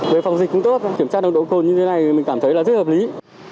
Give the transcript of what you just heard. với phòng dịch cũng tốt kiểm soát nồng độ cột như thế này mình cảm thấy rất hợp lý